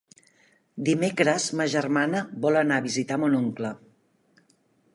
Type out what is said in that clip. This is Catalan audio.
Dimecres ma germana vol anar a visitar mon oncle.